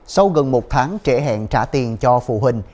sau gần một tháng trễ hẹn trả tiền cho phụ huynh